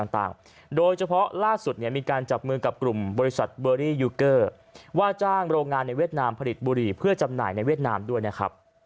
โดยเฉพาะล่าสุดเนี่ยมีการจับมือกับกลุ่มบริษัทเบอรี่ยูเกอร์ว่าจ้างโรงงานในเวียดนามผลิตบุหรี่เพื่อจำหน่ายในเวียดนามด้วยนะครับ